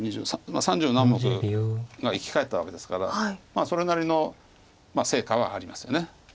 三十何目が生き返ったわけですからそれなりの成果はありますよね。